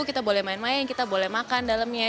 kita boleh main main kita boleh makan dalamnya